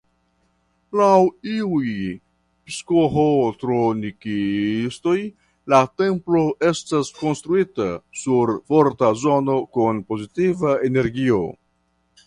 Laŭ iuj psiĥotronikistoj la templo estas konstruita sur forta zono kun pozitiva energio.